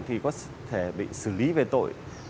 thì có thể bị xử lý về tội